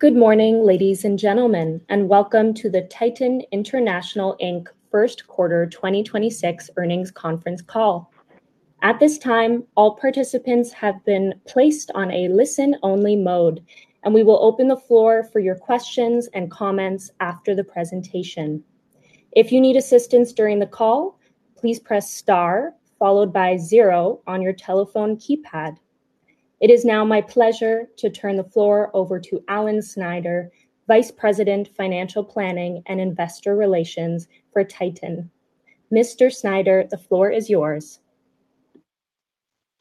Good morning, ladies and gentlemen, and welcome to the Titan International, Inc first quarter 2026 earnings conference call. At this time, all participants have been placed on a listen-only mode, and we will open the floor for your questions and comments after the presentation. If you need assistance during the call, please press star followed by zero on your telephone keypad. It is now my pleasure to turn the floor over to Alan Snyder, Vice President, Financial Planning and Investor Relations for Titan. Mr. Snyder, the floor is yours.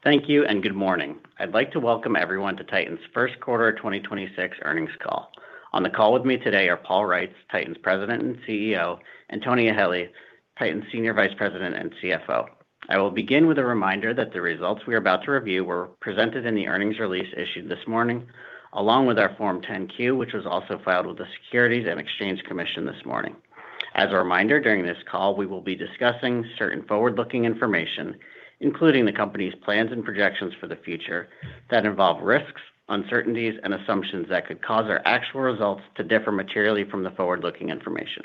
Thank you. Good morning. I'd like to welcome everyone to Titan's first quarter 2026 earnings call. On the call with me today are Paul Reitz, Titan's President and CEO, and Tony Eheli, Titan's Senior Vice President and CFO. I will begin with a reminder that the results we are about to review were presented in the earnings release issued this morning, along with our Form 10-Q, which was also filed with the Securities and Exchange Commission this morning. As a reminder, during this call, we will be discussing certain forward-looking information, including the company's plans and projections for the future that involve risks, uncertainties, and assumptions that could cause our actual results to differ materially from the forward-looking information.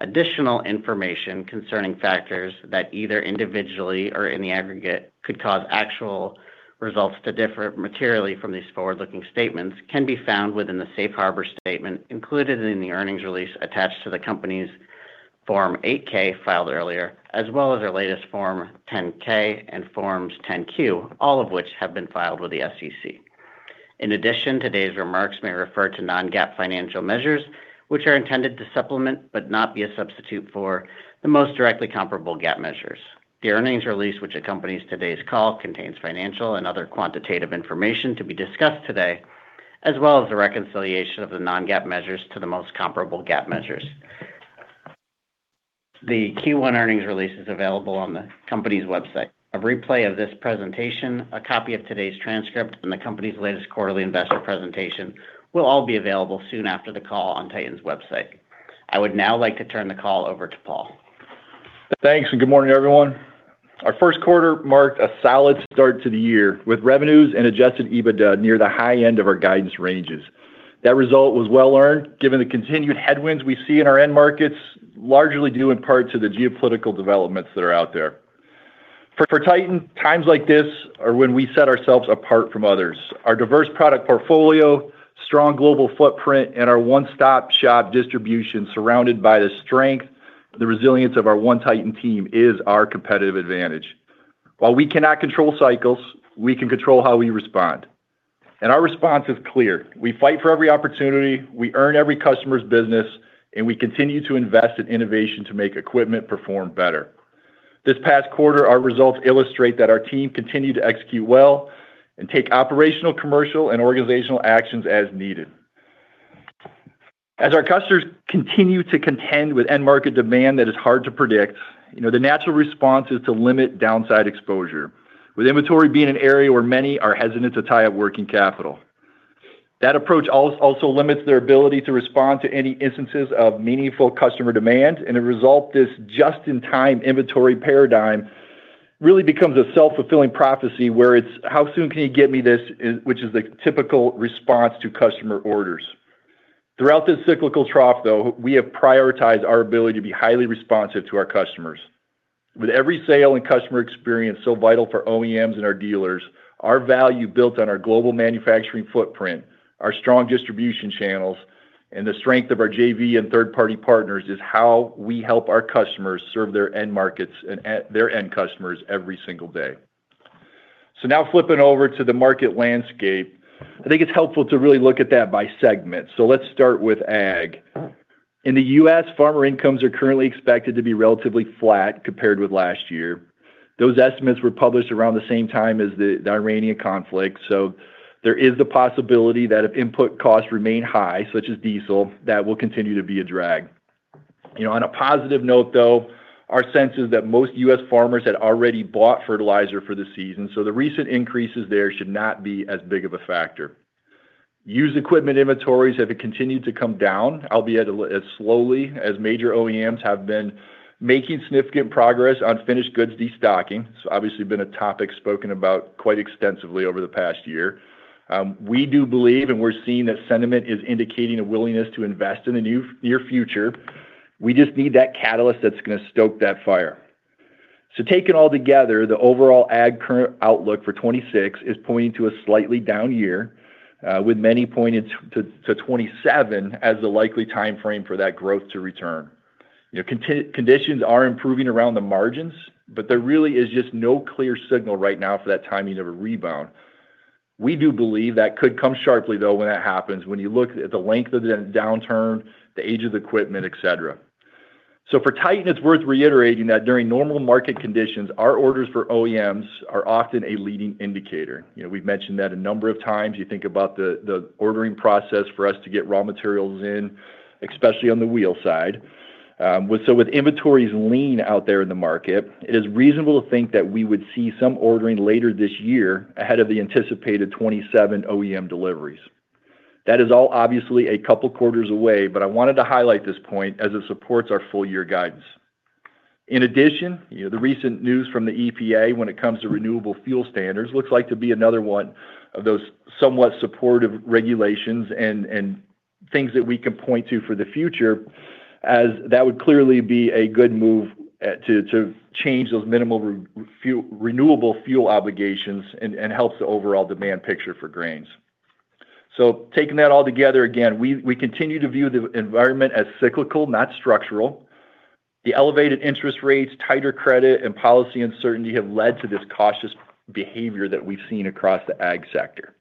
Additional information concerning factors that either individually or in the aggregate could cause actual results to differ materially from these forward-looking statements can be found within the safe harbor statement included in the earnings release attached to the company's Form 8-K filed earlier, as well as our latest Form 10-K and Forms 10-Q, all of which have been filed with the SEC. In addition, today's remarks may refer to non-GAAP financial measures, which are intended to supplement but not be a substitute for the most directly comparable GAAP measures. The earnings release which accompanies today's call contains financial and other quantitative information to be discussed today, as well as the reconciliation of the non-GAAP measures to the most comparable GAAP measures. The Q1 earnings release is available on the company's website. A replay of this presentation, a copy of today's transcript, and the company's latest quarterly investor presentation will all be available soon after the call on Titan's website. I would now like to turn the call over to Paul. Thanks. Good morning, everyone. Our first quarter marked a solid start to the year, with revenues and adjusted EBITDA near the high end of our guidance ranges. That result was well-earned, given the continued headwinds we see in our end markets, largely due in part to the geopolitical developments that are out there. For Titan, times like this are when we set ourselves apart from others. Our diverse product portfolio, strong global footprint, and our one-stop-shop distribution surrounded by the strength, the resilience of our One Titan team is our competitive advantage. While we cannot control cycles, we can control how we respond, and our response is clear. We fight for every opportunity, we earn every customer's business, and we continue to invest in innovation to make equipment perform better. This past quarter, our results illustrate that our team continued to execute well and take operational, commercial, and organizational actions as needed. As our customers continue to contend with end market demand that is hard to predict, you know, the natural response is to limit downside exposure, with inventory being an area where many are hesitant to tie up working capital. That approach also limits their ability to respond to any instances of meaningful customer demand, and a result, this just-in-time inventory paradigm really becomes a self-fulfilling prophecy, where it's, "How soon can you get me this?" Which is the typical response to customer orders. Throughout this cyclical trough, though, we have prioritized our ability to be highly responsive to our customers. With every sale and customer experience so vital for OEMs and our dealers, our value built on our global manufacturing footprint, our strong distribution channels, and the strength of our JV and third-party partners is how we help our customers serve their end markets and their end customers every single day. Flipping over to the market landscape, I think it's helpful to really look at that by segment. Let's start with ag. In the U.S., farmer incomes are currently expected to be relatively flat compared with last year. Those estimates were published around the same time as the Iranian conflict, there is the possibility that if input costs remain high, such as diesel, that will continue to be a drag. You know, on a positive note, though, our sense is that most U.S. farmers had already bought fertilizer for the season, so the recent increases there should not be as big of a factor. Used equipment inventories have continued to come down, albeit as slowly as major OEMs have been making significant progress on finished goods destocking. Obviously been a topic spoken about quite extensively over the past year. We do believe, and we're seeing that sentiment is indicating a willingness to invest in the near future. We just need that catalyst that's gonna stoke that fire. Taken all together, the overall Ag current outlook for 2026 is pointing to a slightly down year, with many pointing to 2027 as the likely timeframe for that growth to return. You know, conditions are improving around the margins, there really is just no clear signal right now for that timing of a rebound. We do believe that could come sharply, though, when that happens when you look at the length of the downturn, the age of the equipment, et cetera. For Titan, it's worth reiterating that during normal market conditions, our orders for OEMs are often a leading indicator. You know, we've mentioned that a number of times. You think about the ordering process for us to get raw materials in, especially on the wheel side. With inventories lean out there in the market, it is reasonable to think that we would see some ordering later this year ahead of the anticipated 2027 OEM deliveries. That is all obviously a couple quarters away, but I wanted to highlight this point as it supports our full year guidance. In addition, the recent news from the EPA when it comes to renewable fuel standards looks like to be another one of those somewhat supportive regulations and things that we can point to for the future as that would clearly be a good move to change those minimal renewable fuel obligations and helps the overall demand picture for grains. Taking that all together again, we continue to view the environment as cyclical, not structural. The elevated interest rates, tighter credit and policy uncertainty have led to this cautious behavior that we've seen across the Ag sector.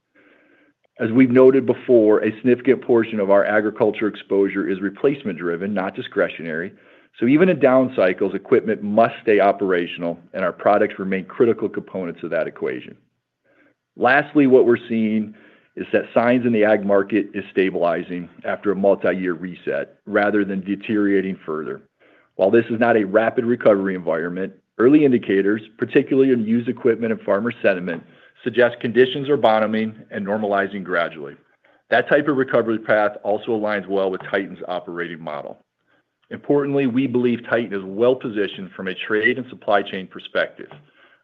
As we've noted before, a significant portion of our agriculture exposure is replacement driven, not discretionary. Even in down cycles, equipment must stay operational and our products remain critical components of that equation. Lastly, what we're seeing is that signs in the Ag market is stabilizing after a multi-year reset rather than deteriorating further. While this is not a rapid recovery environment, early indicators, particularly in used equipment and farmer sentiment, suggest conditions are bottoming and normalizing gradually. That type of recovery path also aligns well with Titan's operating model. Importantly, we believe Titan is well positioned from a trade and supply chain perspective.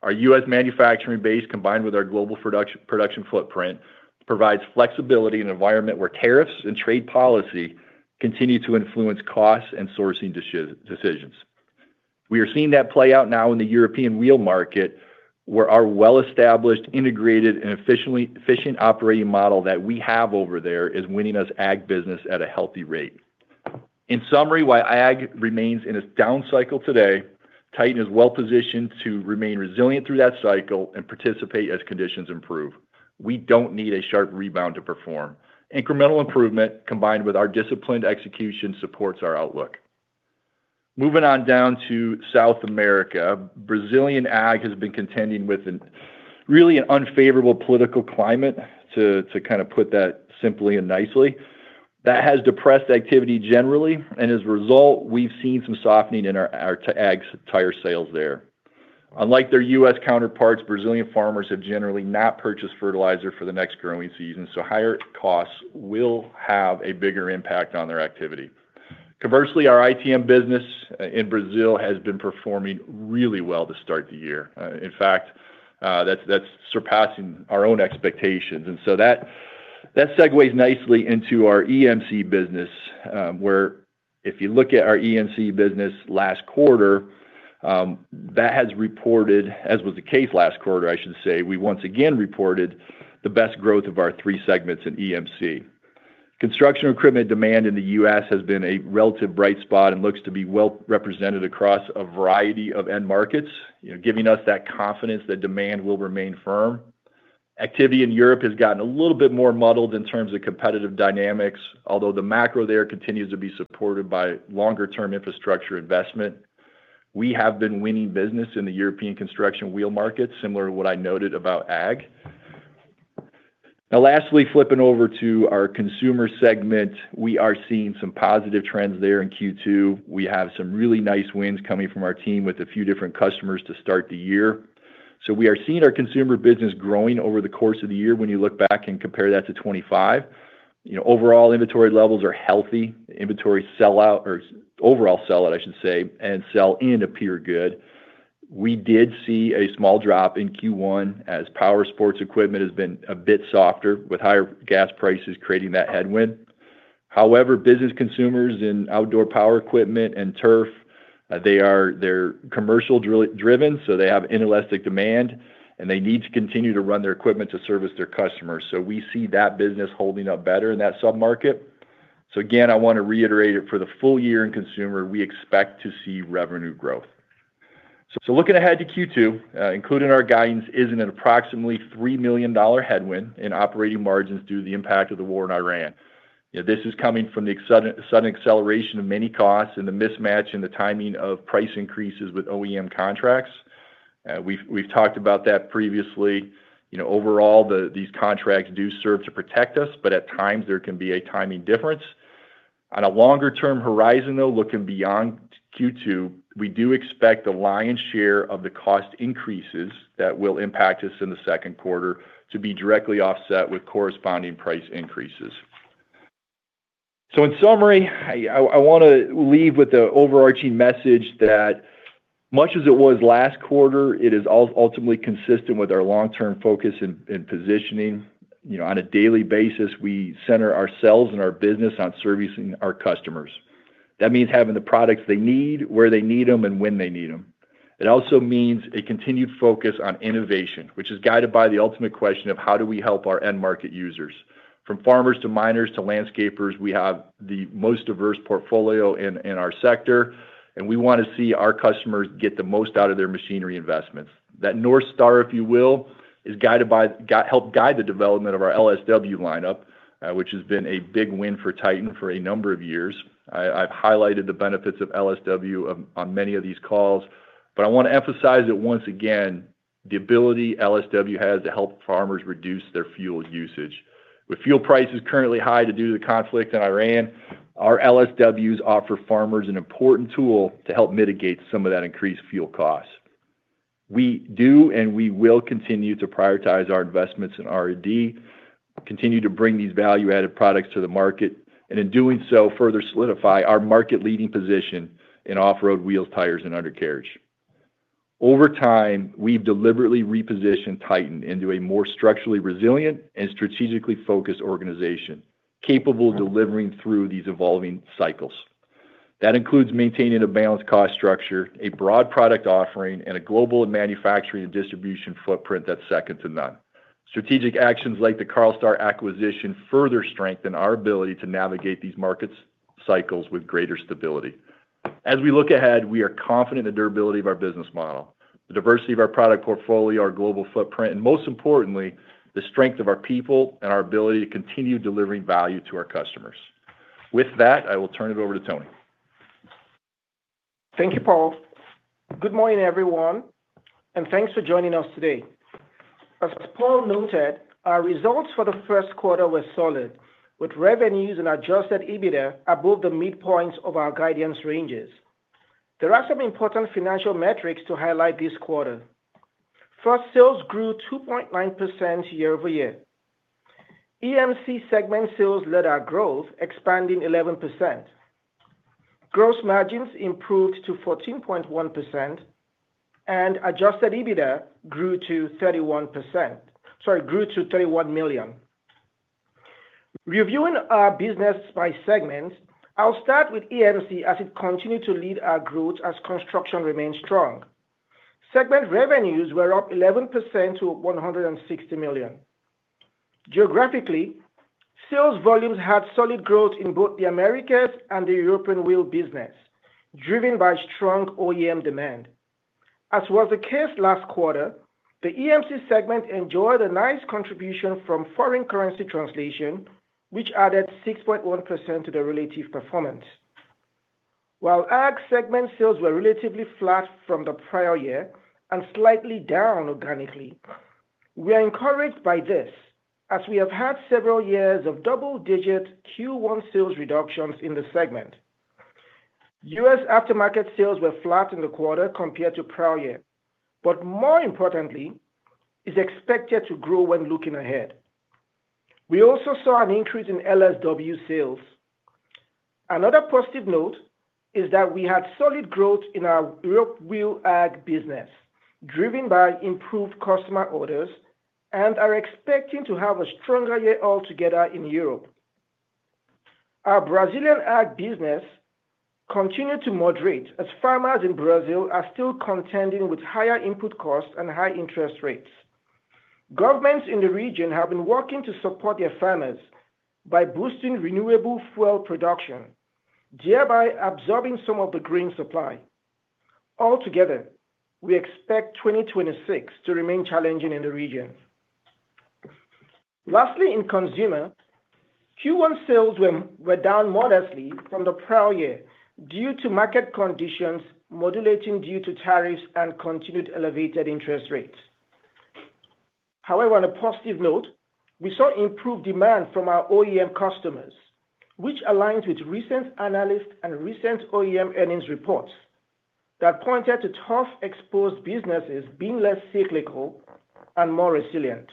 Our U.S. manufacturing base combined with our global production footprint provides flexibility in an environment where tariffs and trade policy continue to influence costs and sourcing decisions. We are seeing that play out now in the European wheel market where our well-established, integrated and efficient operating model that we have over there is winning us Ag business at a healthy rate. In summary, while Ag remains in a down cycle today, Titan is well positioned to remain resilient through that cycle and participate as conditions improve. We don't need a sharp rebound to perform. Incremental improvement combined with our disciplined execution supports our outlook. Moving on down to South America, Brazilian Ag has been contending with really an unfavorable political climate to kind of put that simply and nicely. That has depressed activity generally and as a result, we've seen some softening in our Ag Tires sales there. Unlike their U.S. counterparts, Brazilian farmers have generally not purchased fertilizer for the next growing season, so higher costs will have a bigger impact on their activity. Conversely, our ITM business in Brazil has been performing really well to start the year. In fact, that's surpassing our own expectations. That segues nicely into our EMC business where if you look at our EMC business last quarter, that has reported, as was the case last quarter I should say, we once again reported the best growth of our three segments in EMC. Construction equipment demand in the U.S. has been a relative bright spot and looks to be well represented across a variety of end markets, giving us that confidence that demand will remain firm. Activity in Europe has gotten a little bit more muddled in terms of competitive dynamics, although the macro there continues to be supported by longer-term infrastructure investment. We have been winning business in the European construction wheel market, similar to what I noted about Ag. Now lastly, flipping over to our consumer segment, we are seeing some positive trends there in Q2. We have some really nice wins coming from our team with a few different customers to start the year. We are seeing our consumer business growing over the course of the year when you look back and compare that to 2025. Overall inventory levels are healthy. Inventory sell-out, or overall sellout I should say, and sell-in appear good. We did see a small drop in Q1 as power sports equipment has been a bit softer with higher gas prices creating that headwind. However, business consumers in outdoor power equipment and turf, they are commercial driven, so they have inelastic demand and they need to continue to run their equipment to service their customers. We see that business holding up better in that sub-market. Again, I want to reiterate it for the full year in consumer, we expect to see revenue growth. Looking ahead to Q2, included in our guidance is an approximately $3 million headwind in operating margins due to the impact of the war in Ukraine. This is coming from the sudden acceleration of many costs and the mismatch in the timing of price increases with OEM contracts. We've talked about that previously. Overall, these contracts do serve to protect us, but at times there can be a timing difference. On a longer-term horizon though, looking beyond Q2, we do expect the lion's share of the cost increases that will impact us in the second quarter to be directly offset with corresponding price increases. In summary, I want to leave with the overarching message that much as it was last quarter, it is ultimately consistent with our long-term focus and positioning. On a daily basis, we center ourselves and our business on servicing our customers. That means having the products they need, where they need them, and when they need them. It also means a continued focus on innovation, which is guided by the ultimate question of how do we help our end market users. From farmers to miners to landscapers, we have the most diverse portfolio in our sector, and we want to see our customers get the most out of their machinery investments. That North Star, if you will, is guided by, helped guide the development of our LSW lineup, which has been a big win for Titan for a number of years. I've highlighted the benefits of LSW on many of these calls, but I want to emphasize it once again, the ability LSW has to help farmers reduce their fuel usage. With fuel prices currently high due to the conflict in Iran, our LSWs offer farmers an important tool to help mitigate some of that increased fuel costs. We do, and we will continue to prioritize our investments in R&D, continue to bring these value-added products to the market, and in doing so, further solidify our market-leading position in off-road wheels, tires and undercarriage. Over time, we've deliberately repositioned Titan into a more structurally resilient and strategically focused organization, capable of delivering through these evolving cycles. That includes maintaining a balanced cost structure, a broad product offering, and a global manufacturing and distribution footprint that's second to none. Strategic actions like the Carlstar acquisition further strengthen our ability to navigate these markets cycles with greater stability. As we look ahead, we are confident in the durability of our business model, the diversity of our product portfolio, our global footprint, and most importantly, the strength of our people and our ability to continue delivering value to our customers. With that, I will turn it over to Tony. Thank you, Paul. Good morning, everyone. Thanks for joining us today. As Paul noted, our results for the first quarter were solid, with revenues and adjusted EBITDA above the midpoints of our guidance ranges. There are some important financial metrics to highlight this quarter. First, sales grew 2.9% year-over-year. EMC segment sales led our growth, expanding 11%. Gross margins improved to 14.1%. Adjusted EBITDA grew to 31%-- sorry, grew to $31 million. Reviewing our business by segments, I'll start with EMC as it continued to lead our growth as construction remains strong. Segment revenues were up 11% to $160 million. Geographically, sales volumes had solid growth in both the Americas and the European Wheel business, driven by strong OEM demand. As was the case last quarter, the EMC Segment enjoyed a nice contribution from foreign currency translation, which added 6.1% to the relative performance. While Ag Segment sales were relatively flat from the prior year and slightly down organically, we are encouraged by this, as we have had several years of double-digit Q1 sales reductions in the Segment. U.S. aftermarket sales were flat in the quarter compared to prior year, but more importantly, is expected to grow when looking ahead. We also saw an increase in LSW sales. Another positive note is that we had solid growth in our Europe wheel Ag business, driven by improved customer orders and are expecting to have a stronger year altogether in Europe. Our Brazilian Ag business continued to moderate as farmers in Brazil are still contending with higher input costs and high interest rates. Governments in the region have been working to support their farmers by boosting renewable fuel production, thereby absorbing some of the grain supply. Altogether, we expect 2026 to remain challenging in the region. Lastly, in consumer, Q1 sales were down modestly from the prior year due to market conditions modulating due to tariffs and continued elevated interest rates. On a positive note, we saw improved demand from our OEM customers, which aligns with recent analyst and recent OEM earnings reports that pointed to tough exposed businesses being less cyclical and more resilient.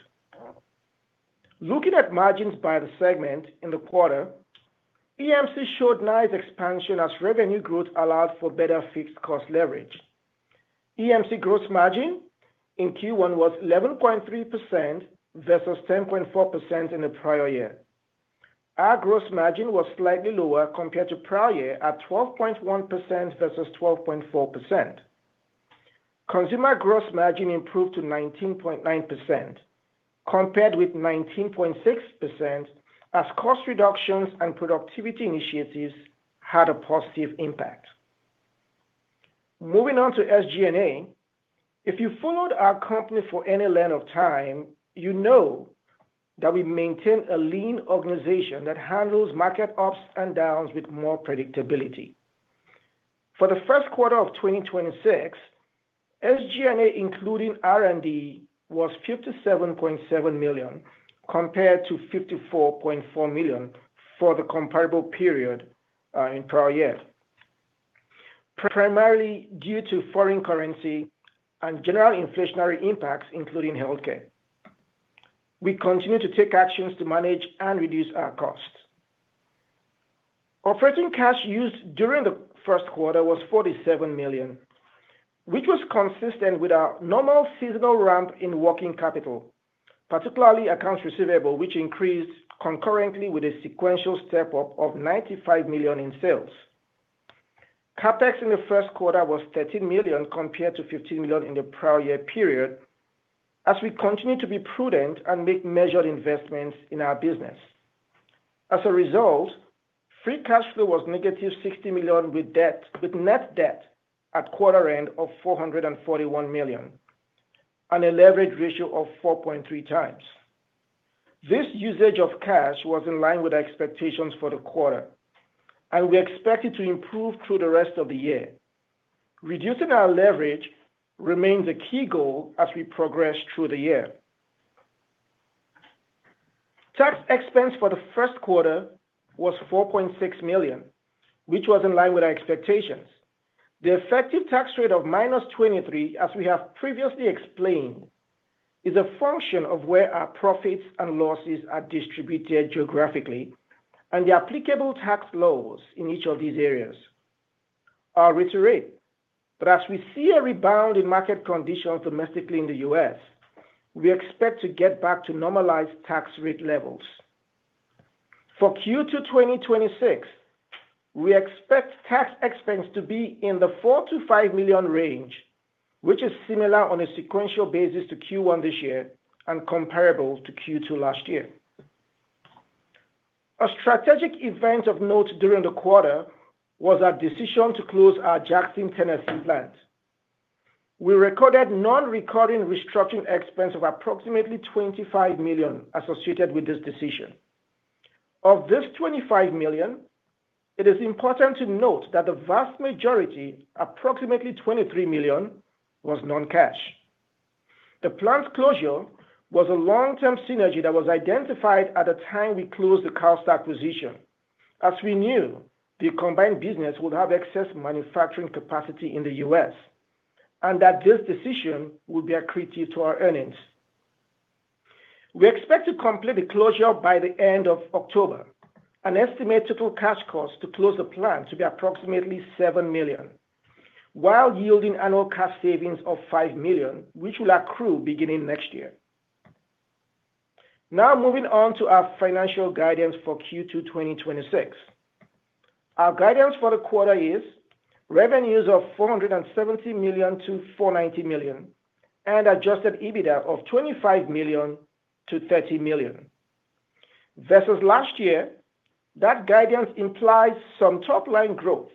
Looking at margins by the segment in the quarter, EMC showed nice expansion as revenue growth allowed for better fixed cost leverage. EMC gross margin in Q1 was 11.3% versus 10.4% in the prior year. Our gross margin was slightly lower compared to prior year at 12.1% versus 12.4%. Consumer gross margin improved to 19.9%, compared with 19.6% as cost reductions and productivity initiatives had a positive impact. Moving on to SG&A, if you followed our company for any length of time, you know that we maintain a lean organization that handles market ups and downs with more predictability. For the first quarter of 2026, SG&A, including R&D, was $57.7 million, compared to $54.4 million for the comparable period in prior year. Primarily due to foreign currency and general inflationary impacts, including healthcare. We continue to take actions to manage and reduce our costs. Operating cash used during the first quarter was $47 million, which was consistent with our normal seasonal ramp in working capital, particularly accounts receivable, which increased concurrently with a sequential step-up of $95 million in sales. CapEx in the first quarter was $13 million compared to $15 million in the prior year period, as we continue to be prudent and make measured investments in our business. As a result, free cash flow was -$60 million with net debt at quarter end of $441 million and a leverage ratio of 4.3x. This usage of cash was in line with our expectations for the quarter, and we expect it to improve through the rest of the year. Reducing our leverage remains a key goal as we progress through the year. Tax expense for the first quarter was $4.6 million, which was in line with our expectations. The effective tax rate of -23%, as we have previously explained, is a function of where our profits and losses are distributed geographically and the applicable tax laws in each of these areas are reiterated. As we see a rebound in market conditions domestically in the U.S., we expect to get back to normalized tax rate levels. For Q2 2026, we expect tax expense to be in the $4 million-$5 million range, which is similar on a sequential basis to Q1 this year and comparable to Q2 last year. A strategic event of note during the quarter was our decision to close our Jackson, Tennessee plant. We recorded non-recurring restructuring expense of approximately $25 million associated with this decision. Of this $25 million, it is important to note that the vast majority, approximately $23 million, was non-cash. The plant closure was a long-term synergy that was identified at the time we closed the Carlstar acquisition, as we knew the combined business would have excess manufacturing capacity in the U.S. and that this decision would be accretive to our earnings. We expect to complete the closure by the end of October. An estimated total cash cost to close the plant to be approximately $7 million, while yielding annual cash savings of $5 million, which will accrue beginning next year. Moving on to our financial guidance for Q2 2026. Our guidance for the quarter is revenues of $470 million-$490 million and adjusted EBITDA of $25 million-$30 million. Versus last year, that guidance implies some top-line growth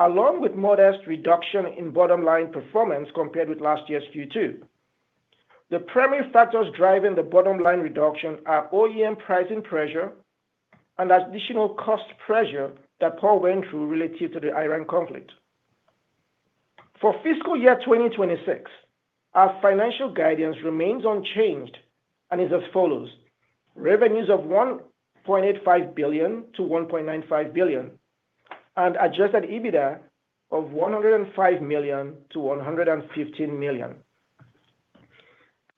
along with modest reduction in bottom-line performance compared with last year's Q2. The primary factors driving the bottom-line reduction are OEM pricing pressure and additional cost pressure that Paul went through related to the Iran conflict. For fiscal year 2026, our financial guidance remains unchanged and is as follows: revenues of $1.85 billion-$1.95 billion and adjusted EBITDA of $105 million-$115 million.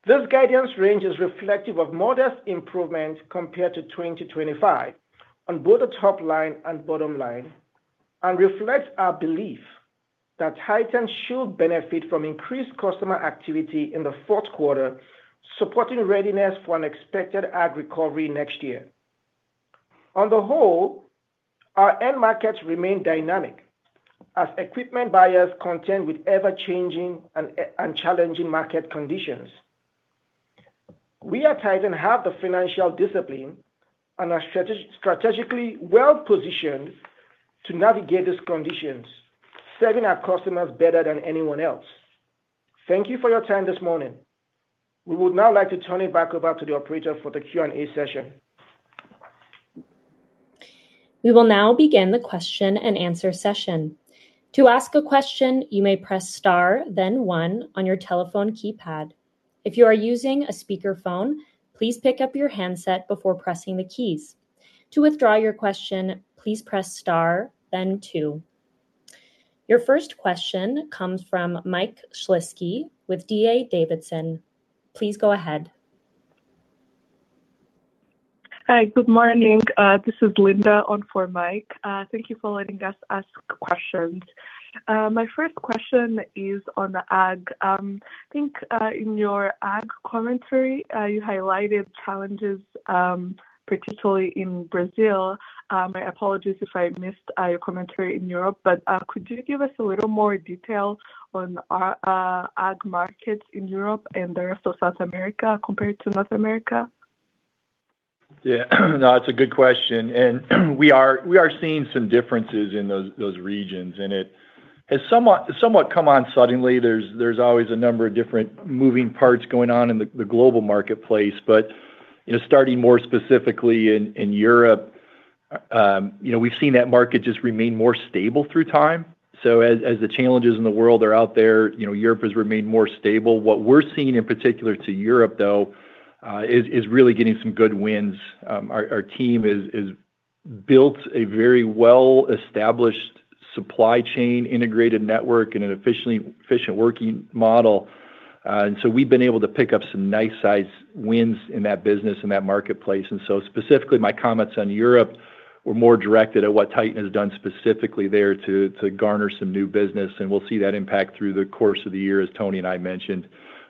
This guidance range is reflective of modest improvement compared to 2025 on both the top line and bottom line and reflects our belief that Titan should benefit from increased customer activity in the fourth quarter, supporting readiness for an expected Ag recovery next year. On the whole, our end markets remain dynamic as equipment buyers contend with ever-changing and challenging market conditions. We at Titan have the financial discipline and are strategically well-positioned to navigate these conditions, serving our customers better than anyone else. Thank you for your time this morning. We would now like to turn it back over to the operator for the Q&A session. We will now begin the question-and-answer session. To ask a question, you may press star, then one on your telephone keypad. If you are using a speaker phone, please pick up your headset before pressing the keys. To withdraw your question, please press star, then two. Your first question comes from Mike Shlisky with DA Davidson. Please go ahead. Hi, good morning. This is [Linda] on for Mike. Thank you for letting us ask questions. My first question is on Ag. I think in your Ag commentary, you highlighted challenges, particularly in Brazil. My apologies if I missed your commentary in Europe, but could you give us a little more detail on Ag markets in Europe and the rest of South America compared to North America? Yeah. No, it's a good question. We are seeing some differences in those regions, and it has somewhat come on suddenly. There's always a number of different moving parts going on in the global marketplace. You know, starting more specifically in Europe, you know, we've seen that market just remain more stable through time. As the challenges in the world are out there, you know, Europe has remained more stable. What we're seeing in particular to Europe, though, is really getting some good wins. Our team is built a very well-established supply chain integrated network and an efficiently efficient working model. We've been able to pick up some nice-sized wins in that business, in that marketplace. Specifically, my comments on Europe were more directed at what Titan has done specifically there to garner some new business. We'll see that impact through the course of the year, as Tony and I mentioned.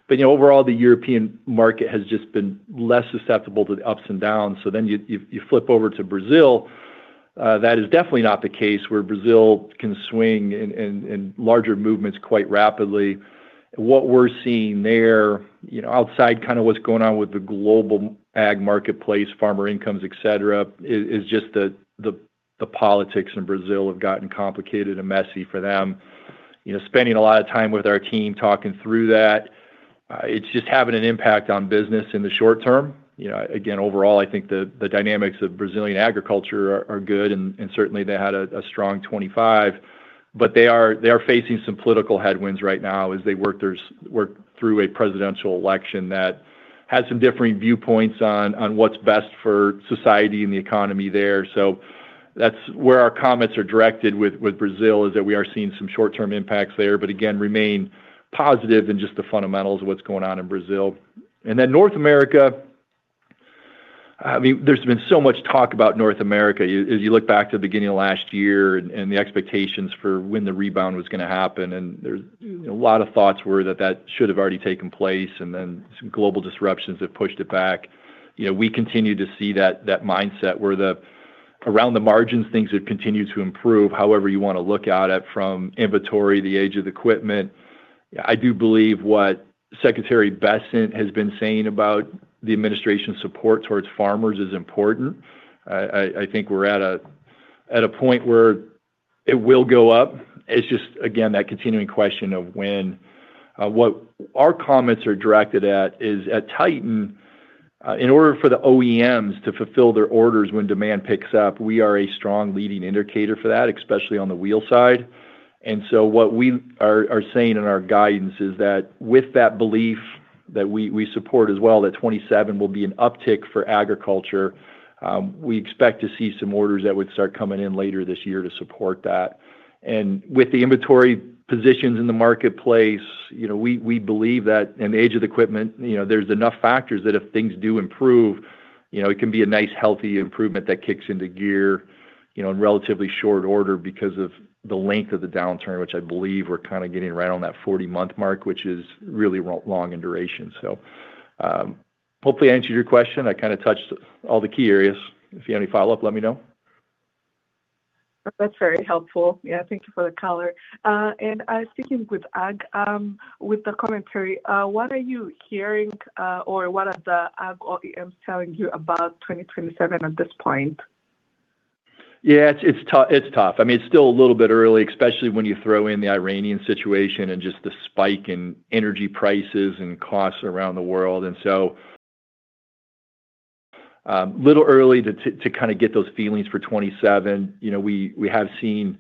You know, overall, the European market has just been less susceptible to the ups and downs. You flip over to Brazil, that is definitely not the case, where Brazil can swing in larger movements quite rapidly. What we're seeing there, you know, outside kind of what's going on with the global Ag marketplace, farmer incomes, et cetera, is just the politics in Brazil have gotten complicated and messy for them. You know, spending a lot of time with our team talking through that, it's just having an impact on business in the short term. You know, again, overall, I think the dynamics of Brazilian agriculture are good and certainly they had a strong 2025. They are facing some political headwinds right now as they work through a presidential election that has some differing viewpoints on what's best for society and the economy there. That's where our comments are directed with Brazil, is that we are seeing some short-term impacts there, but again, remain positive in just the fundamentals of what's going on in Brazil. North America, I mean, there's been so much talk about North America. You, as you look back to the beginning of last year and the expectations for when the rebound was gonna happen, a lot of thoughts were that that should have already taken place, and then some global disruptions have pushed it back. You know, we continue to see that mindset where around the margins things have continued to improve, however you wanna look at it from inventory, the age of equipment. I do believe what Secretary Vilsack has been saying about the administration support towards farmers is important. I think we're at a point where it will go up. It's just, again, that continuing question of when. What our comments are directed at is at Titan, in order for the OEMs to fulfill their orders when demand picks up, we are a strong leading indicator for that, especially on the wheel side. What we are saying in our guidance is that with that belief that we support as well, that 2027 will be an uptick for agriculture, we expect to see some orders that would start coming in later this year to support that. With the inventory positions in the marketplace, you know, we believe that, and the age of the equipment, you know, there's enough factors that if things do improve. You know, it can be a nice healthy improvement that kicks into gear, you know, in relatively short order because of the length of the downturn, which I believe we're kind of getting right on that 40-month mark, which is really long in duration. Hopefully I answered your question. I kind of touched all the key areas. If you have any follow-up, let me know. That's very helpful. Yeah, thank you for the color. Sticking with Ag, with the commentary, what are you hearing, or what are the Ag OEMs telling you about 2027 at this point? Yeah, it's tough. I mean, it's still a little bit early, especially when you throw in the Iranian situation and just the spike in energy prices and costs around the world. Little early to get those feelings for 2027. You know, we have seen,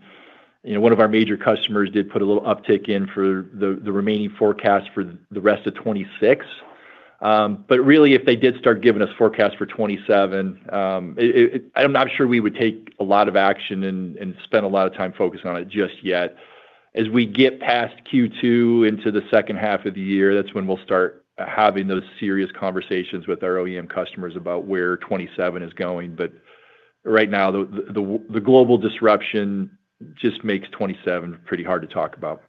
one of our major customers did put a little uptick in for the remaining forecast for the rest of 2026. Really if they did start giving us forecast for 2027, I'm not sure we would take a lot of action and spend a lot of time focused on it just yet. As we get past Q2 into the second half of the year, that's when we'll start having those serious conversations with our OEM customers about where 2027 is going. Right now, the global disruption just makes 2027 pretty hard to talk about.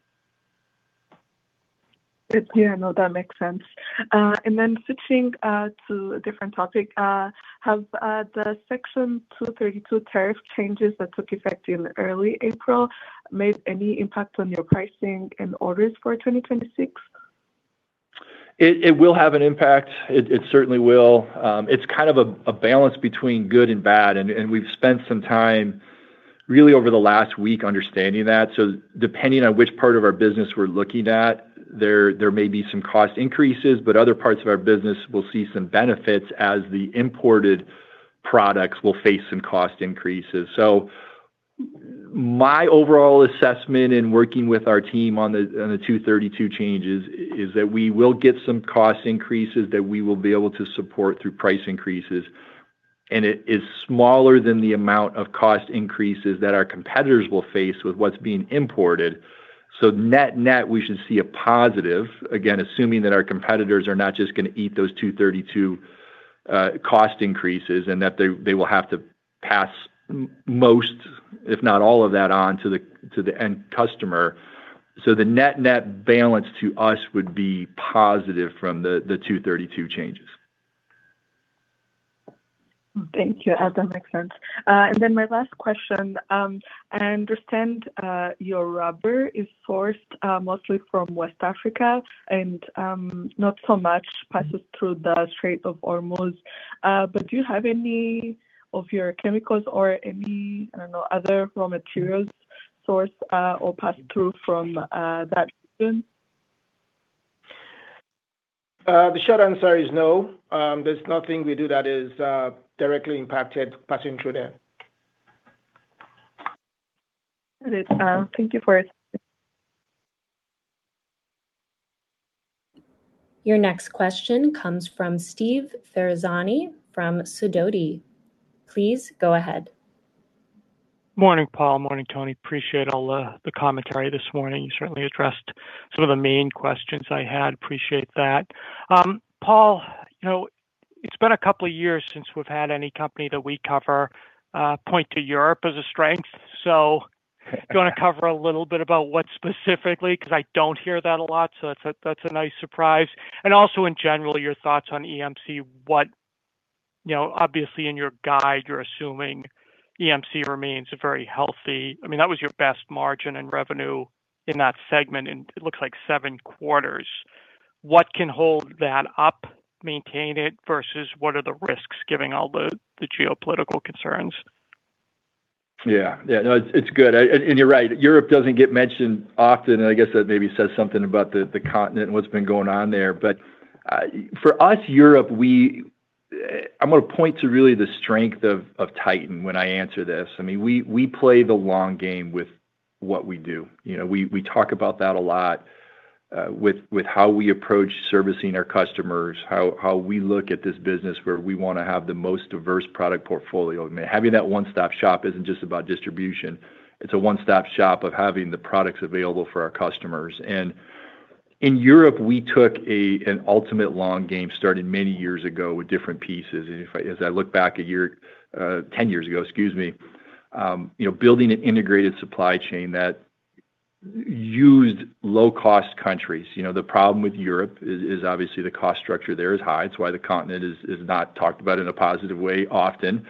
Yeah, no, that makes sense. Then switching to a different topic, have the Section 232 tariff changes that took effect in early April made any impact on your pricing and orders for 2026? It, it will have an impact. It, it certainly will. It's kind of a balance between good and bad. We've spent some time really over the last week understanding that. Depending on which part of our business we're looking at, there may be some cost increases, but other parts of our business will see some benefits as the imported products will face some cost increases. My overall assessment in working with our team on the, on the Section 232 changes is that we will get some cost increases that we will be able to support through price increases. It is smaller than the amount of cost increases that our competitors will face with what's being imported. Net-net, we should see a positive, again, assuming that our competitors are not just gonna eat those Section 232 cost increases and that they will have to pass most, if not all of that on to the end customer. The net-net balance to us would be positive from the Section 232 changes. Thank you. That makes sense. Then my last question. I understand your rubber is sourced mostly from West Africa and not so much passes through the Strait of Hormuz. Do you have any of your chemicals or any, I don't know, other raw materials sourced, or passed through from that region? The short answer is no. There's nothing we do that is directly impacted passing through there. Good. Thank you for it. Your next question comes from Steve Ferazani from Sidoti. Please go ahead. Morning, Paul. Morning, Tony. Appreciate all the commentary this morning. You certainly addressed some of the main questions I had. Appreciate that. Paul, you know, it's been two years since we've had any company that we cover point to Europe as a strength. Do you wanna cover a little bit about what specifically? 'Cause I don't hear that a lot, so that's a nice surprise. Also in general, your thoughts on EMC. You know, obviously in your guide, you're assuming EMC remains very healthy. I mean, that was your best margin and revenue in that segment in it looks like seven quarters. What can hold that up, maintain it, versus what are the risks given all the geopolitical concerns? Yeah. Yeah, no, it's good. You're right, Europe doesn't get mentioned often, and I guess that maybe says something about the continent and what's been going on there. For us, Europe, I'm gonna point to really the strength of Titan when I answer this. I mean, we play the long game with what we do. You know, we talk about that a lot with how we approach servicing our customers, how we look at this business where we wanna have the most diverse product portfolio. I mean, having that one-stop shop isn't just about distribution, it's a one-stop shop of having the products available for our customers. In Europe, we took an ultimate long game, started many years ago with different pieces. As I look back a year, 10 years ago, excuse me, you know, building an integrated supply chain that used low-cost countries. You know, the problem with Europe is obviously the cost structure there is high. It's why the continent is not talked about in a positive way often.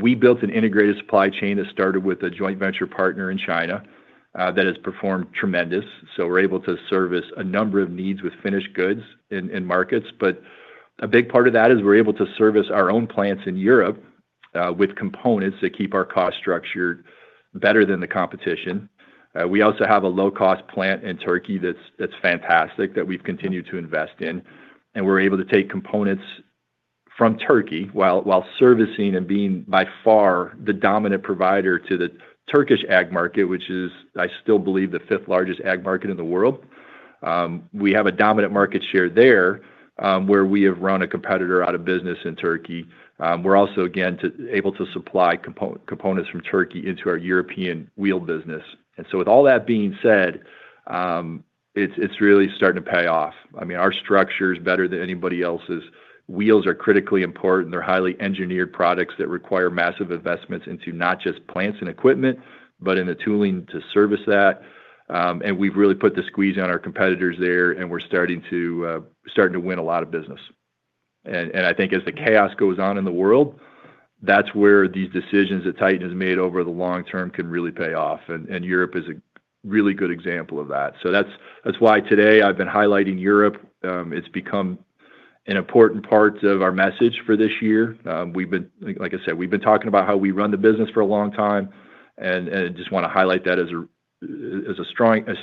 We built an integrated supply chain that started with a joint venture partner in China, that has performed tremendous. We're able to service a number of needs with finished goods in markets. A big part of that is we're able to service our own plants in Europe, with components that keep our cost structure better than the competition. We also have a low-cost plant in Turkey that's fantastic, that we've continued to invest in, and we're able to take components from Turkey while servicing and being by far the dominant provider to the Turkish Ag market, which is, I still believe, the fifth largest Ag market in the world. We have a dominant market share there, where we have run a competitor out of business in Turkey. We're also again able to supply components from Turkey into our European Wheel business. With all that being said, it's really starting to pay off. I mean, our structure's better than anybody else's. Wheels are critically important. They're highly engineered products that require massive investments into not just plants and equipment, but in the tooling to service that. We've really put the squeeze on our competitors there, and we're starting to win a lot of business. I think as the chaos goes on in the world, that's where these decisions that Titan has made over the long term can really pay off. Europe is a really good example of that. That's why today I've been highlighting Europe. It's become an important part of our message for this year. Like I said, we've been talking about how we run the business for a long time, and just wanna highlight that as a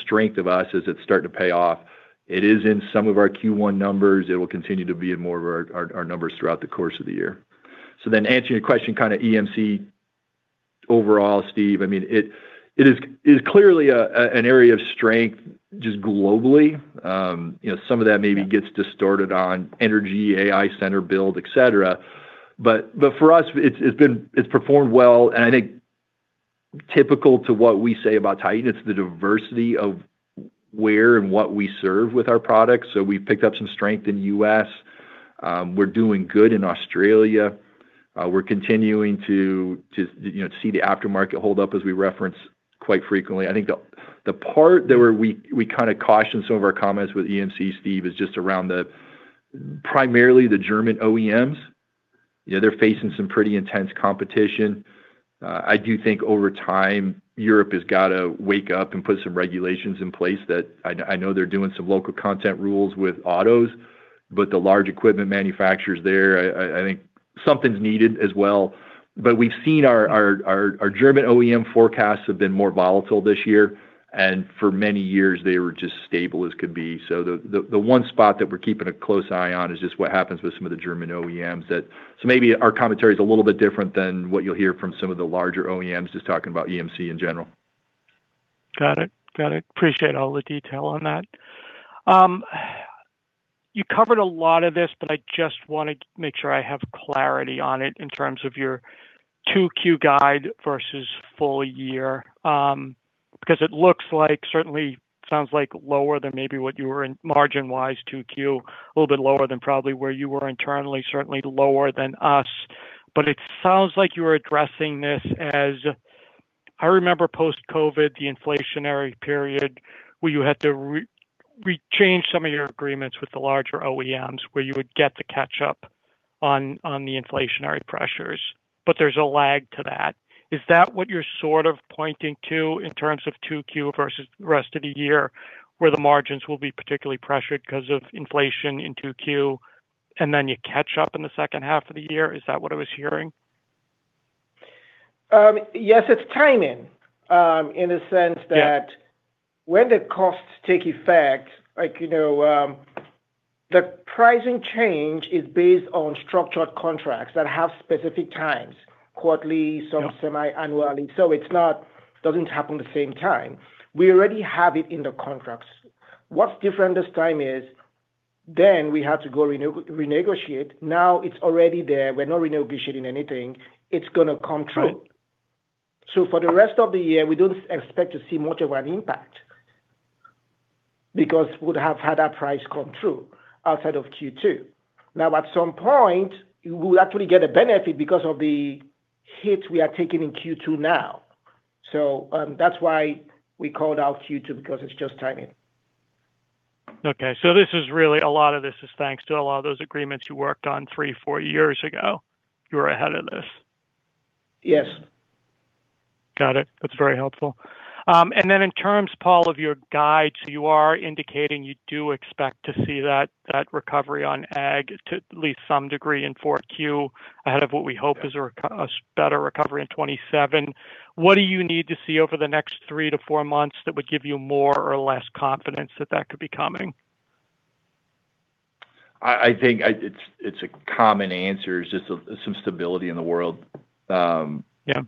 strength of us as it's starting to pay off. It is in some of our Q1 numbers. It will continue to be in more of our numbers throughout the course of the year. Answering your question kinda EMC overall, Steve, I mean, it is clearly an area of strength just globally. You know, some of that maybe gets distorted on energy, AI center build, et cetera. But for us, it's performed well. I think typical to what we say about Titan, it's the diversity of where and what we serve with our products. We've picked up some strength in U.S. We're doing good in Australia. We're continuing to, you know, to see the aftermarket hold up as we reference quite frequently. I think the part that we kinda cautioned some of our comments with EMC, Steve, is just around the primarily the German OEMs. You know, they're facing some pretty intense competition. I do think over time, Europe has got to wake up and put some regulations in place that I know they're doing some local content rules with autos, but the large equipment manufacturers there, I think something's needed as well. We've seen our German OEM forecasts have been more volatile this year, and for many years, they were just stable as could be. The one spot that we're keeping a close eye on is just what happens with some of the German OEMs that. Maybe our commentary is a little bit different than what you'll hear from some of the larger OEMs just talking about EMC in general. Got it. Got it. Appreciate all the detail on that. You covered a lot of this, but I just want to make sure I have clarity on it in terms of your 2Q guide versus full year. Because it looks like, certainly sounds like lower than maybe what you were in margin-wise 2Q. A little bit lower than probably where you were internally, certainly lower than us. It sounds like you are addressing this as. I remember post-COVID, the inflationary period where you had to re-change some of your agreements with the larger OEMs where you would get to catch up on the inflationary pressures. There's a lag to that. Is that what you're sort of pointing to in terms of 2Q versus the rest of the year, where the margins will be particularly pressured 'cause of inflation in 2Q, and then you catch up in the second half of the year? Is that what I was hearing? Yes, it's timing, in a sense that when the costs take effect, like, you know, the pricing change is based on structured contracts that have specific times. Yeah Quarterly, some semi-annually. It doesn't happen the same time. We already have it in the contracts. What's different this time is we have to go renegotiate. It's already there. We're not renegotiating anything. It's gonna come through. Right. For the rest of the year, we don't expect to see much of an impact because we'd have had that price come through outside of Q2. At some point, we will actually get a benefit because of the hits we are taking in Q2 now. That's why we called out Q2, because it's just timing. Okay. This is really, a lot of this is thanks to a lot of those agreements you worked on three, four years ago. You were ahead of this. Yes. Got it. That's very helpful. And then in terms, Paul, of your guides, you are indicating you do expect to see that recovery on Ag to at least some degree in 4 Q ahead of what we hope is a better recovery in 2027. What do you need to see over the next three to four months that would give you more or less confidence that that could be coming? I think it's a common answer. It's just some stability in the world. Yeah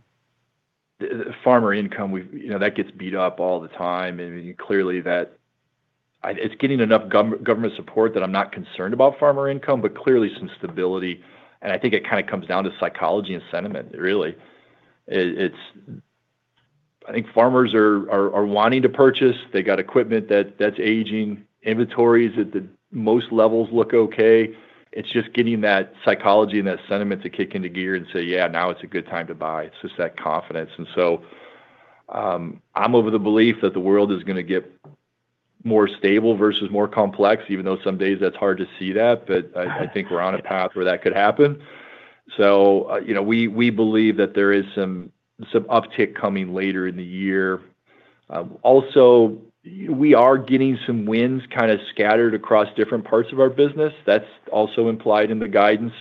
The farmer income, you know, that gets beat up all the time. Clearly that it's getting enough government support that I'm not concerned about farmer income, but clearly some stability. I think it kind of comes down to psychology and sentiment, really. I think farmers are wanting to purchase. They got equipment that's aging. Inventories at the most levels look okay. It's just getting that psychology and that sentiment to kick into gear and say, "Yeah, now is a good time to buy." It's just that confidence. I'm of the belief that the world is gonna get more stable versus more complex, even though some days that's hard to see that. I think we're on a path where that could happen. You know, we believe that there is some uptick coming later in the year. Also we are getting some wins kind of scattered across different parts of our business. That's also implied in the guidance.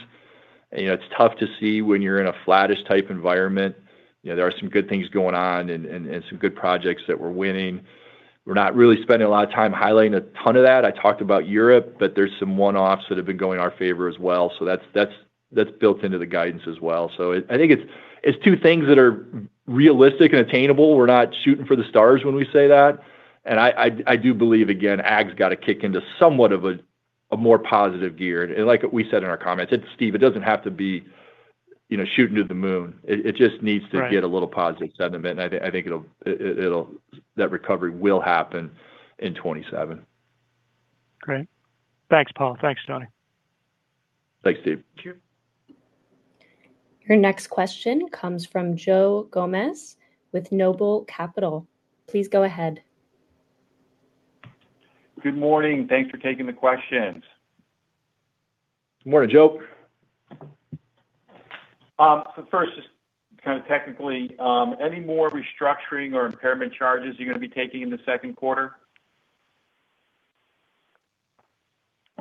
You know, it's tough to see when you're in a flattish type environment. You know, there are some good things going on and some good projects that we're winning. We're not really spending a lot of time highlighting a ton of that. I talked about Europe, there's some one-offs that have been going our favor as well. That's built into the guidance as well. I think it's two things that are realistic and attainable. We're not shooting for the stars when we say that. I do believe, again, Ag's got to kick into somewhat of a more positive gear. Like we said in our comments, Steve, it doesn't have to be, you know, shooting to the moon. It just needs to get a little positive sentiment. I think that recovery will happen in 2027. Great. Thanks, Paul. Thanks, Tony. Thanks, Steve. Thank you. Your next question comes from Joe Gomes with NOBLE Capital. Please go ahead. Good morning. Thanks for taking the questions. Good morning, Joe. First just kind of technically, any more restructuring or impairment charges you're going to be taking in the second quarter?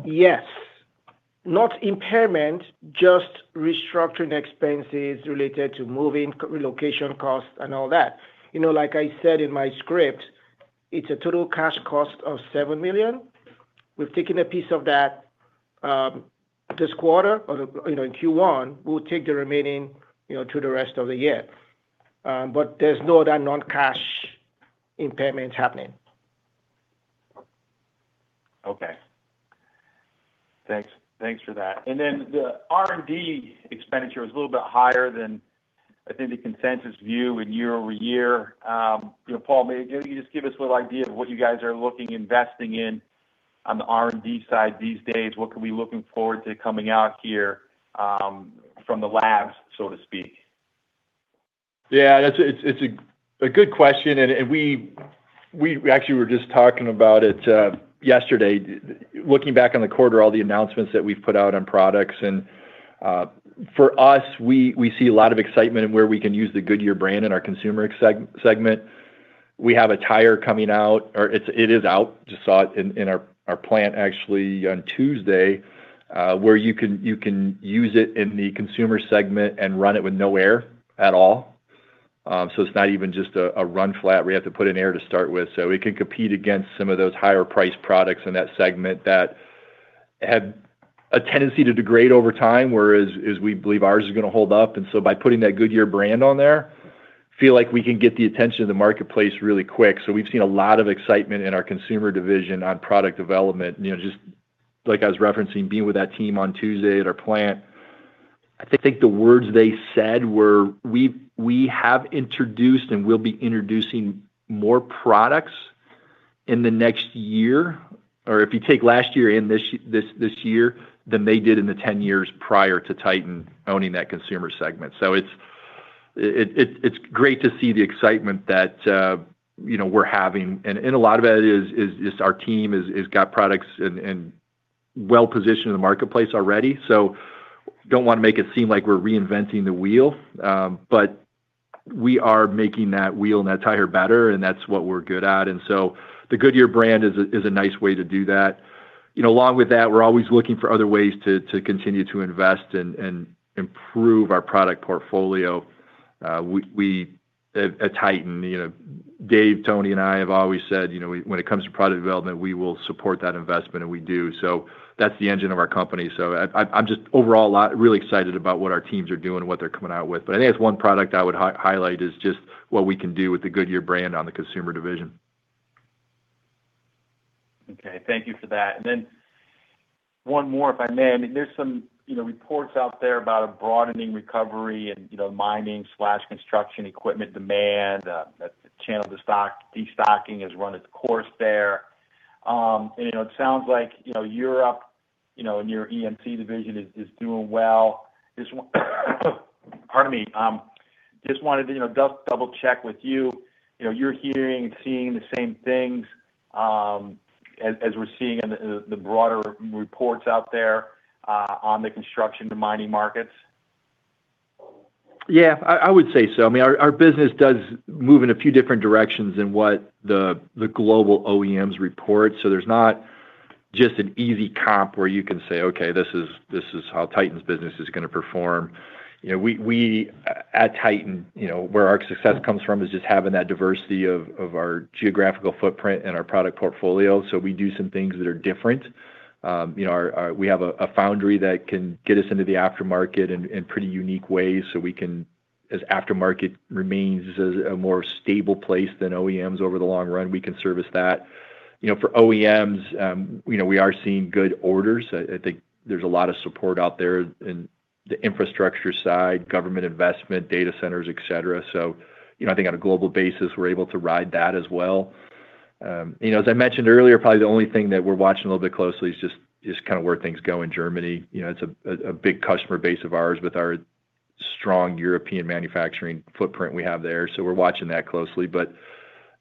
Yes. Not impairment, just restructuring expenses related to moving, relocation costs and all that. You know, like I said in my script, it's a total cash cost of $7 million. We've taken a piece of that this quarter or, you know, in Q1. We'll take the remaining, you know, through the rest of the year. There's no other non-cash impairments happening. Okay. Thanks. Thanks for that. The R&D expenditure was a little bit higher than I think the consensus view in year-over-year. You know, Paul, may, you know, you just give us a little idea of what you guys are looking investing in on the R&D side these days. What can we looking forward to coming out here from the labs, so to speak? That's it's a good question, and we actually were just talking about it yesterday. Looking back on the quarter, all the announcements that we've put out on products. For us, we see a lot of excitement in where we can use the Goodyear brand in our consumer segment. We have a tire coming out, or it is out, just saw it in our plant actually on Tuesday, where you can use it in the consumer segment and run it with no air at all. It's not even just a run flat where you have to put in air to start with. We can compete against some of those higher priced products in that segment that have a tendency to degrade over time, whereas we believe ours is going to hold up. By putting that Goodyear brand on there, feel like we can get the attention of the marketplace really quick. We've seen a lot of excitement in our consumer division on product development. You know, just like I was referencing being with that team on Tuesday at our plant. I think the words they said were, "We have introduced and will be introducing more products in the next year" or if you take last year and this year, than they did in the 10 years prior to Titan owning that consumer segment. It's great to see the excitement that, you know, we're having. A lot of that is just our team is got products and well-positioned in the marketplace already. Don't wanna make it seem like we're reinventing the wheel. We are making that wheel and that tire better, and that's what we're good at. The Goodyear brand is a nice way to do that. You know, along with that, we're always looking for other ways to continue to invest and improve our product portfolio. We at Titan, you know, Dave, Tony, and I have always said, you know, when it comes to product development, we will support that investment, and we do. That's the engine of our company. I'm just overall really excited about what our teams are doing, what they're coming out with. I think that's one product I would highlight, is just what we can do with the Goodyear brand on the consumer division. Okay. Thank you for that. One more, if I may. I mean, there's some, you know, reports out there about a broadening recovery and, you know, mining/construction equipment demand that the channel to destocking has run its course there. You know, it sounds like, you know, Europe, you know, and your EMC division is doing well. Just Pardon me. Just wanted to, you know, double-check with you. You know, you're hearing and seeing the same things as we're seeing in the broader reports out there on the construction to mining markets? I would say so. I mean, our business does move in a few different directions than what the global OEMs report. There's not just an easy comp where you can say, "Okay, this is how Titan's business is gonna perform." You know, we at Titan, you know, where our success comes from is just having that diversity of our geographical footprint and our product portfolio. We do some things that are different. You know, we have a foundry that can get us into the aftermarket in pretty unique ways so we can, as aftermarket remains as a more stable place than OEMs over the long run, we can service that. You know, for OEMs, you know, we are seeing good orders. I think there's a lot of support out there in the infrastructure side, government investment, data centers, et cetera. You know, I think on a global basis, we're able to ride that as well. You know, as I mentioned earlier, probably the only thing that we're watching a little bit closely is kind of where things go in Germany. You know, it's a big customer base of ours with our strong European manufacturing footprint we have there. We're watching that closely.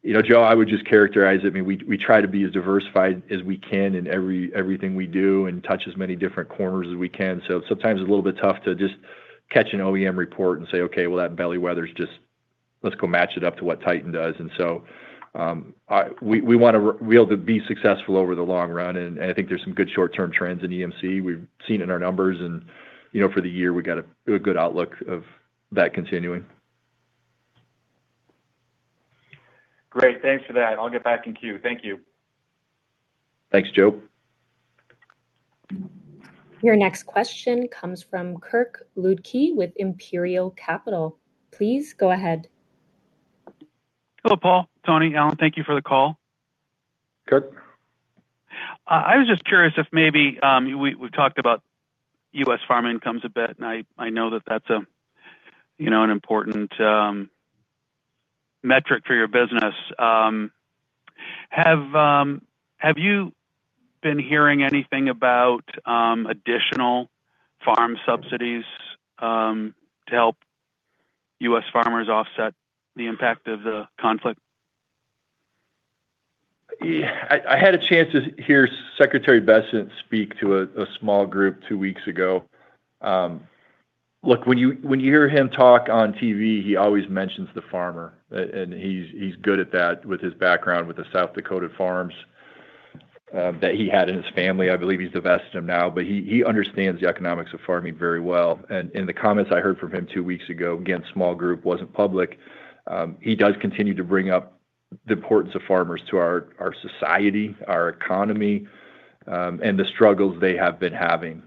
You know, Joe, I would just characterize it. I mean, we try to be as diversified as we can in everything we do and touch as many different corners as we can. Sometimes it's a little bit tough to just catch an OEM report and say, "Okay, well, that bellwether's just. Let's go match it up to what Titan does. We want to be successful over the long run and I think there's some good short-term trends in EMC. We've seen it in our numbers and, you know, for the year, we got a good outlook of that continuing. Great. Thanks for that. I'll get back in queue. Thank you. Thanks, Joe. Your next question comes from Kirk Ludtke with Imperial Capital. Please go ahead. Hello, Paul, Tony, Alan. Thank you for the call. Kirk. I was just curious if maybe, we've talked about U.S. farm incomes a bit. I know that that's a, you know, an important metric for your business. Have you been hearing anything about additional farm subsidies to help U.S. farmers offset the impact of the conflict? Yeah. I had a chance to hear Secretary Vilsack speak to a small group two weeks ago. Look, when you, when you hear him talk on TV, he always mentions the farmer. He's good at that with his background with the South Dakota farms that he had in his family. I believe he's divested them now. He understands the economics of farming very well. In the comments I heard from him two weeks ago, again, small group, wasn't public, he does continue to bring up the importance of farmers to our society, our economy, the struggles they have been having.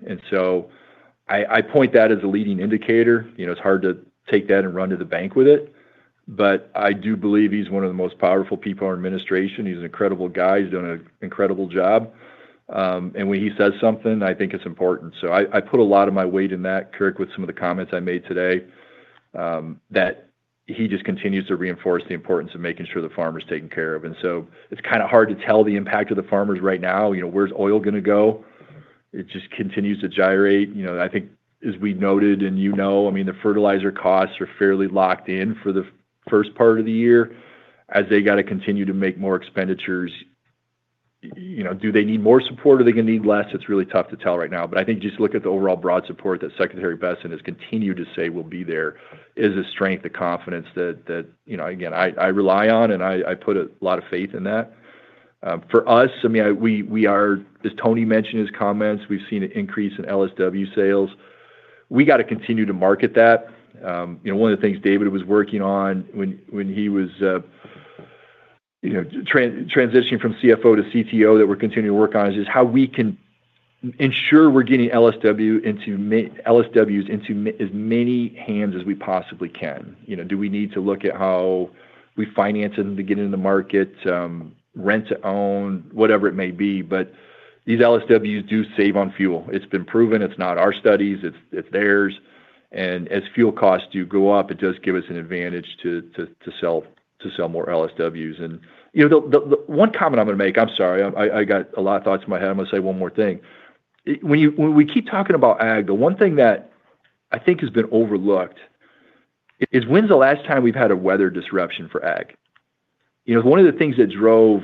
I point that as a leading indicator. You know, it's hard to take that and run to the bank with it. I do believe he's one of the most powerful people in our administration. He's an incredible guy. He's done an incredible job. When he says something, I think it's important. I put a lot of my weight in that, Kirk, with some of the comments I made today, that he just continues to reinforce the importance of making sure the farmer's taken care of. It's kind of hard to tell the impact of the farmers right now. You know, where's oil going to go? It just continues to gyrate. You know, I think as we noted and you know, I mean, the fertilizer costs are fairly locked in for the first part of the year as they got to continue to make more expenditures. You know, do they need more support or are they going to need less? It's really tough to tell right now. I think just look at the overall broad support that Secretary Vilsack has continued to say will be there is a strength, a confidence that, you know, again, I rely on and I put a lot of faith in that. For us, I mean, as Tony mentioned in his comments, we've seen an increase in LSW sales. We gotta continue to market that. You know, one of the things David was working on when he was, you know, transitioning from CFO to CTO that we're continuing to work on is just how we can ensure we're getting LSWs into as many hands as we possibly can. You know, do we need to look at how we finance them to get into the market? Rent-to-own, whatever it may be. These LSWs do save on fuel. It's been proven. It's not our studies, it's theirs. As fuel costs do go up, it does give us an advantage to sell more LSWs. You know, the one comment I'm gonna make, I'm sorry, I got a lot of thoughts in my head. I'm gonna say one more thing. When we keep talking about Ag, the one thing that I think has been overlooked is when's the last time we've had a weather disruption for Ag? You know, one of the things that drove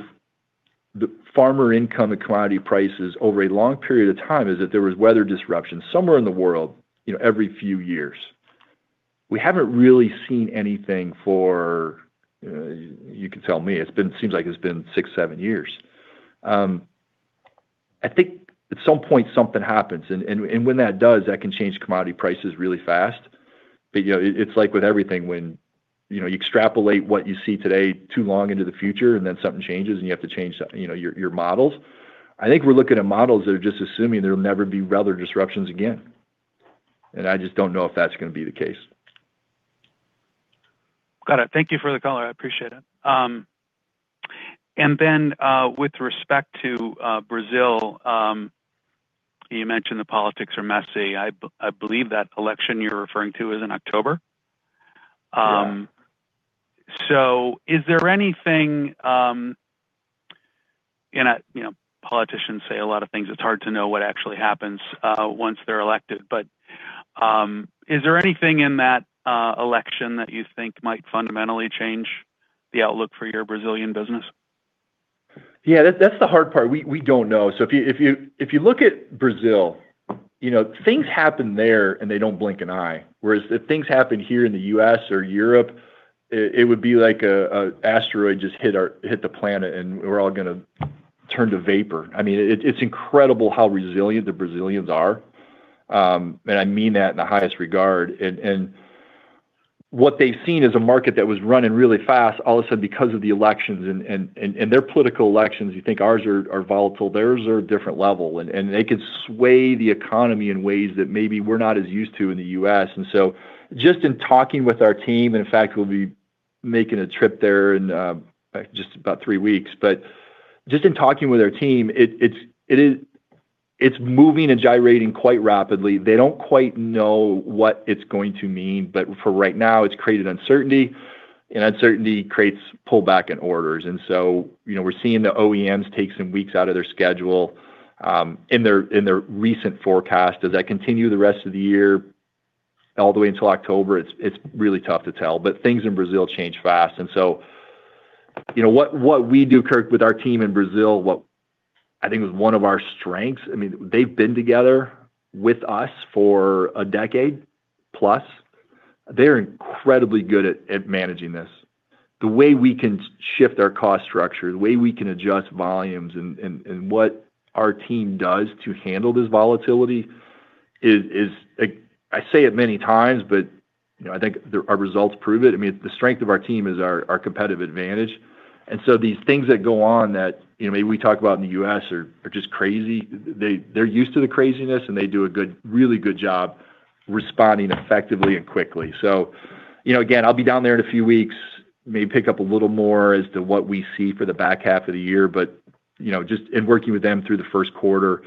the farmer income and commodity prices over a long period of time is that there was weather disruption somewhere in the world, you know, every few years. We haven't really seen anything for, you can tell me. It's been, seems like it's been six, seven years. I think at some point something happens and when that does, that can change commodity prices really fast. You know, it's like with everything when, you know, you extrapolate what you see today too long into the future and then something changes and you have to change, you know, your models. I think we're looking at models that are just assuming there'll never be weather disruptions again. I just don't know if that's gonna be the case. Got it. Thank you for the color. I appreciate it. With respect to Brazil, you mentioned the politics are messy. I believe that election you're referring to is in October. Yeah. You know, you know, politicians say a lot of things. It's hard to know what actually happens once they're elected. Is there anything in that election that you think might fundamentally change the outlook for your Brazilian business? Yeah, that's the hard part. We, we don't know. If you, if you, if you look at Brazil, you know, things happen there and they don't blink an eye. If things happen here in the U.S. or Europe, it would be like a asteroid just hit the planet and we're all gonna turn to vapor. It, it's incredible how resilient the Brazilians are. I mean that in the highest regard. What they've seen is a market that was running really fast, all of a sudden because of the elections and, and their political elections, you think ours are volatile, theirs are a different level. They could sway the economy in ways that maybe we're not as used to in the U.S. Just in talking with our team, in fact we'll be making a trip there in just about three weeks. Just in talking with our team, it's moving and gyrating quite rapidly. They don't quite know what it's going to mean, but for right now, it's created uncertainty, and uncertainty creates pullback in orders. You know, we're seeing the OEMs take some weeks out of their schedule in their, in their recent forecast. Does that continue the rest of the year all the way until October? It's, it's really tough to tell. Things in Brazil change fast. You know, what we do, Kirk, with our team in Brazil, what I think is one of our strengths, I mean, they've been together with us for a decade plus. They're incredibly good at managing this. The way we can shift our cost structure, the way we can adjust volumes and what our team does to handle this volatility is. I say it many times, but, you know, I think our results prove it. I mean, the strength of our team is our competitive advantage. These things that go on that, you know, maybe we talk about in the U.S. are just crazy, they're used to the craziness and they do a really good job responding effectively and quickly. You know, again, I'll be down there in a few weeks, maybe pick up a little more as to what we see for the back half of the year. You know, just in working with them through the first quarter,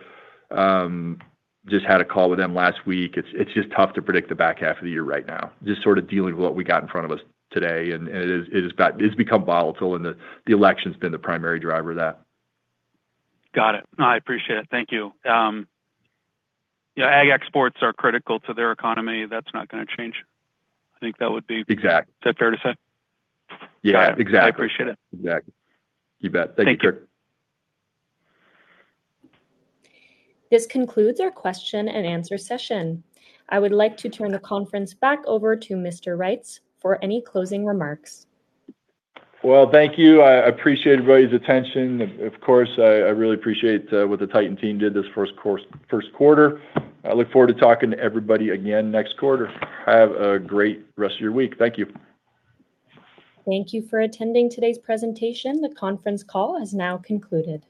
just had a call with them last week. It's just tough to predict the back half of the year right now. Just sort of dealing with what we got in front of us today and it's become volatile and the election's been the primary driver of that. Got it. No, I appreciate it. Thank you. Yeah, Ag exports are critical to their economy. That's not gonna change. Exactly. Is that fair to say? Yeah, exactly. Got it. I appreciate it. Exactly. You bet. Thank you, Kirk. Thank you. This concludes our question and answer session. I would like to turn the conference back over to Mr. Reitz for any closing remarks. Well, thank you. I appreciate everybody's attention. Of course, I really appreciate what the Titan team did this first quarter. I look forward to talking to everybody again next quarter. Have a great rest of your week. Thank you. Thank you for attending today's presentation. The conference call has now concluded.